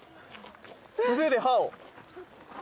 素手で刃を。